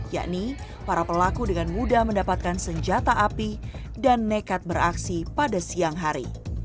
yakni para pelaku dengan mudah mendapatkan senjata api dan nekat beraksi pada siang hari